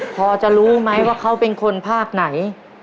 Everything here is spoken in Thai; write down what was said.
พอจะรู้ไหมว่าเขาเป็นคนภาคไหน